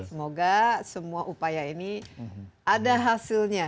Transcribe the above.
semoga semua upaya ini ada hasilnya